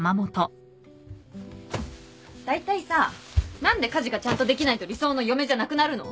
だいたいさ何で家事がちゃんとできないと理想の嫁じゃなくなるの？